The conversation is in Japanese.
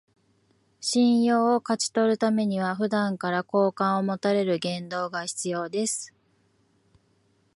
信用を勝ち取るためには、普段から好感を持たれる言動が必要です